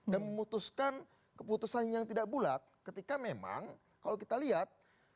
dan memutuskan keputusan yang tidak bulat ketika memang kalau kita lihat